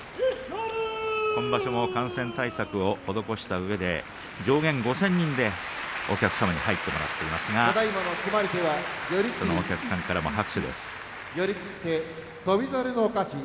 今場所も感染対策を施したうえで上限５０００人でお客様に入ってもらっていますがそのお客さんからの拍手です。